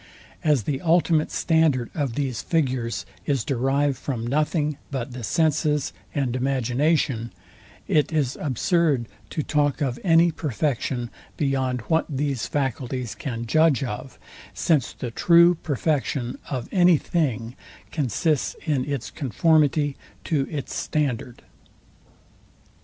As the ultimate standard of these figures is derived from nothing but the senses and imagination, it is absurd to talk of any perfection beyond what these faculties can judge of; since the true perfection of any thing consists in its conformity to its standard.